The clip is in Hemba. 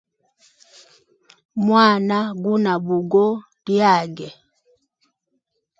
Mwana guna bugo lyage.